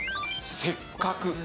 「せっかく」？